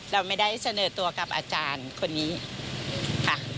เราไม่ได้เสนอตัวกับอาจารย์คนนี้ค่ะ